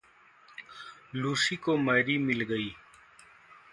Lucy को Mary मिल गयी।